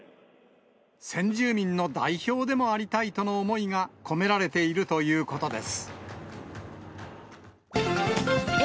先住民の代表でもありたいとの思いが込められているということです。